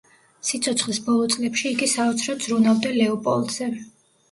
სიცოცხლის ბოლო წლებში იგი საოცრად ზრუნავდა ლეოპოლდზე.